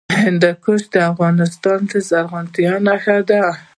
هندوکش د افغانستان د زرغونتیا نښه ده.